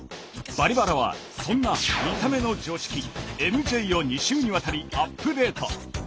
「バリバラ」はそんな見た目の常識ＭＪを２週にわたりアップデート！